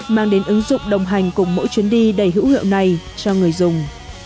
mang đến ứng dụng đồng hành cùng mỗi chuyến đi đầy hữu hiệu này cho người dùng